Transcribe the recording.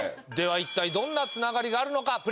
では一体どんなつながりがあるのか？